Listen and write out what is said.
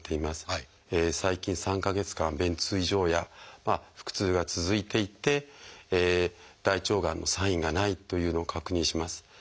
最近３か月間便通異常や腹痛が続いていて大腸がんのサインがないというのを確認します。